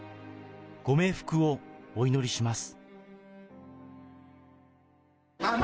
ご冥福をお祈りします。